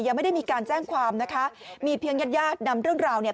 ยังไม่ได้มีการแจ้งความนะคะมีเพียงญาติญาตินำเรื่องราวเนี่ย